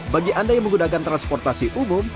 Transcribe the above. bagi anda yang menggunakan transportasi umum